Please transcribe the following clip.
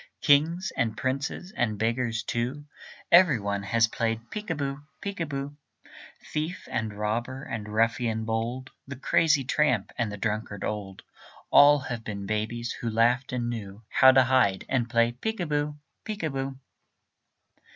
Kings and princes and beggars, too, Every one has played peek a boo, peek a boo. Thief and robber and ruffian bold, The crazy tramp and the drunkard old, All have been babies who laughed and knew How to hide, and play peek a boo, peek a boo.